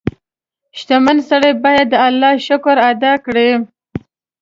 • شتمن سړی باید د الله شکر ادا کړي.